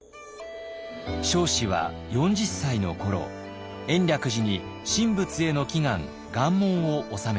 彰子は４０歳の頃延暦寺に神仏への祈願願文を納めています。